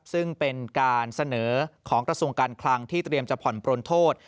ซึ่งเป็นการเสนอของกระทรวงการคลังที่เตรียมจะผ่อนปลนโทษ